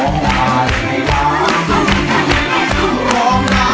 เงิน